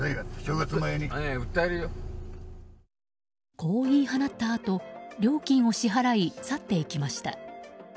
こう言い放ったあと料金を支払い、去っていきました。